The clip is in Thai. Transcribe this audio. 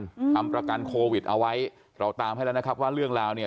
อืมทำประกันโควิดเอาไว้เราตามให้แล้วนะครับว่าเรื่องราวเนี้ย